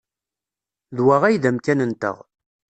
D wa ay d amkan-nteɣ.